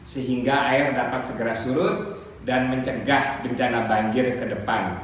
sehingga air dapat segera surut dan mencegah bencana banjir ke depan